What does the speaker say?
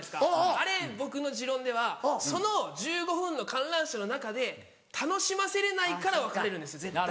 あれ僕の持論ではその１５分の観覧車の中で楽しませれないから別れるんです絶対。